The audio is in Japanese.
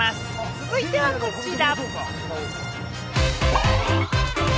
続いてはこちら。